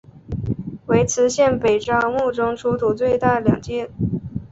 为磁县北朝墓中出土最大的两件。